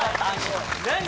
何？